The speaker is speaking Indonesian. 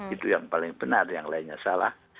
itu yang paling benar yang lainnya salah